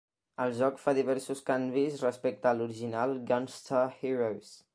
El joc fa diversos canvis respecte a l'original "Gunstar Heroes".